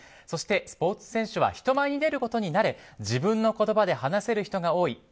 そして、スポーツ選手は人前に出ることに慣れ自分の言葉で話せる人が多い。